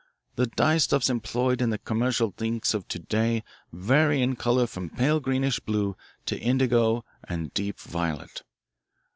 The dyestuffs employed in the commercial inks of to day vary in colour from pale greenish blue to indigo and deep violet.